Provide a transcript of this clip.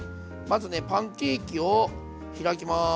まずねパンケーキを開きます。